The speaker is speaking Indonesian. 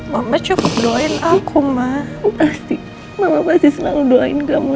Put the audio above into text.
mama cukup doain aku ma pasti mama pasti selalu doain kamu